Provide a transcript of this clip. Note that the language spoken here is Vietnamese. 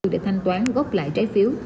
để thanh toán gốc lại trái phiếu